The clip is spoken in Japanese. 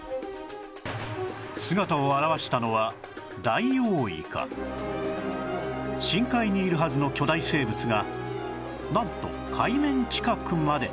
姿を現したのは深海にいるはずの巨大生物がなんと海面近くまで